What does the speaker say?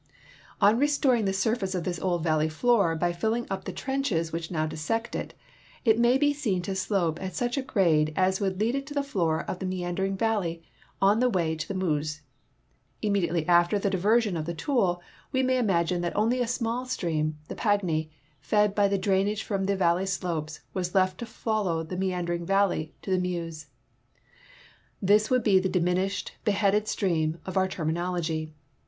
On restoring the surface of this old valle}' floor by filling up the trenches which now dissect it, it may he seen to slope at such a grade as would lead it to the floor of the meandering valley on the wa}" to the Meuse. Immediately after the division of the Toul we may imagine that only a small stream — the Pagny — fed by the drain age from the valley slopes, was left to follow the meandering valley to Meuse. This would be the diminished, beheaded stream of our terminology.